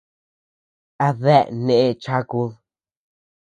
¿Adeea neʼe chakud ?